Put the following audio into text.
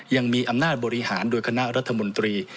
ยังมีอำนาจบริหารโดยคณะรัฐมนตรี